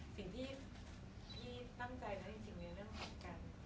สิ่งที่พี่ตั้งใจแล้วจริงในเรื่องของการ